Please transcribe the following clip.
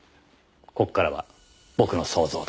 ここからは僕の想像です。